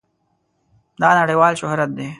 دا نړېوال شهرت دی.